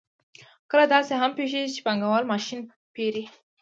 کله داسې هم پېښېږي چې پانګوال ماشین پېري